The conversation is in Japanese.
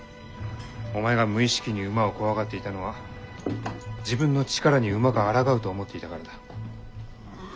お前が無意識に馬を怖がっていたのは自分の力に馬があらがうと思っていたからだ。